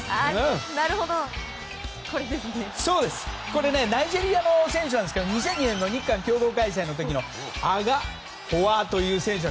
これね、ナイジェリアの選手なんですけど２００２年の日韓共同開催の時のアガホワという選手。